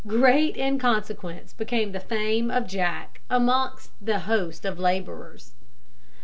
Great in consequence became the fame of Jack amongst the host of labourers.